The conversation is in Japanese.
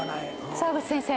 澤口先生。